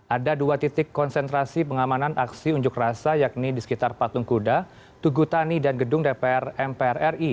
ada dua titik konsentrasi pengamanan aksi unjuk rasa yakni di sekitar patung kuda tugutani dan gedung dpr mpr ri